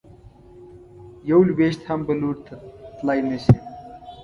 یو لویشت هم بل لوري ته تلی نه شې.